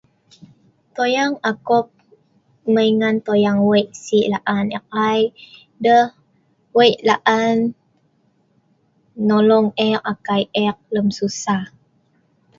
Toyang akop mai ngan toyang wei' sii la'an e'ek ai, deh wei' la'an nolong akai e'ek lem susah